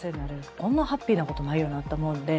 こんなハッピーなことないよなと思うので。